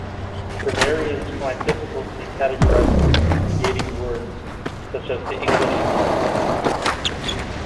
Grammarians find difficulty categorizing negating words, such as the English "not".